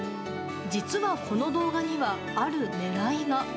実は、この動画にはある狙いが。